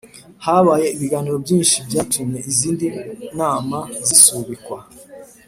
Habaye ibiganiro byinshi byatumye izindi nama zisubikwa